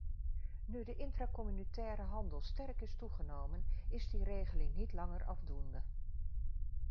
Nu de intracommunautaire handel sterk is toegenomen, is die regeling niet langer afdoende.